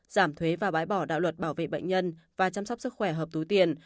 giảm thuế và bãi bỏ đạo luật bảo vệ bệnh nhân và chăm sóc sức khỏe hợp túi tiền